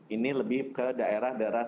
ini lebih ke daerah daerah